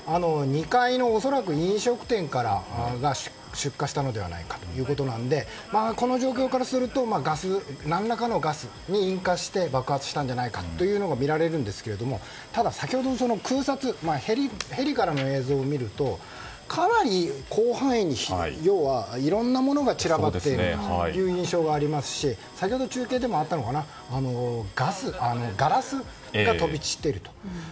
２階の飲食店から出火したのではないかということなのでこの状況からすると何らかのガスに引火して爆発したんじゃないかとみられるんですがただ先ほどの空撮ヘリからの映像を見るとかなり広範囲にいろんなものが散らばっているという印象がありますし先ほどの中継でもあったガラスが飛び散っていると。